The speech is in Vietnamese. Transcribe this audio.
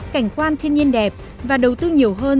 cảnh quan thiên nhiên đẹp và đầu tư nhiều hơn